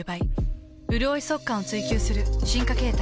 うるおい速乾を追求する進化形態。